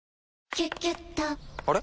「キュキュット」から！